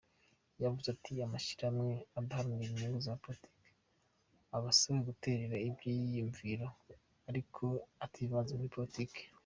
Yavuze ati: "Amashirahamwe adaharanira inyungu za politike abasabwa guterera ivyiyumviro ariko ativanze muri politike".